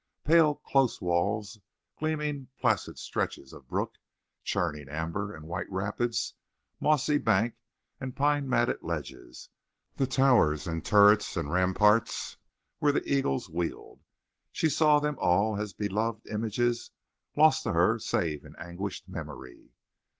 Pale close walls, gleaming placid stretches of brook, churning amber and white rapids, mossy banks and pine matted ledges, the towers and turrets and ramparts where the eagles wheeled—she saw them all as beloved images lost to her save in anguished memory.